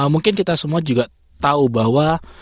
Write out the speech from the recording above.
mungkin kita semua juga tahu bahwa